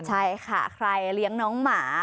ใช่ค่ะใครเลี้ยงน้องหมา